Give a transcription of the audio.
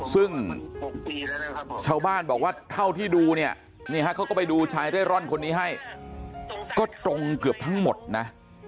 ซึ่งชาวบ้านบอกว่าเท่าที่ดูเนี่ยเขาก็ไปดูชายเร่ร่อนคนนี้ให้ก็ตรงเกือบทั้งหมดนะ